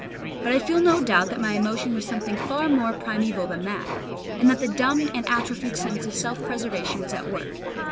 But I feel no doubt that my emotion was something far more primeval than that, and that the dumb and atrophied sense of self preservation was at work.